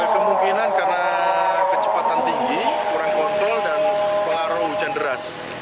kemungkinan karena kecepatan tinggi kurang kontrol dan pengaruh hujan deras